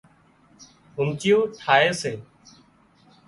ڦومچيون ٺاهي سي